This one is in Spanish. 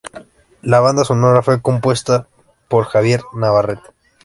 La banda sonora fue compuesta por Javier Navarrete.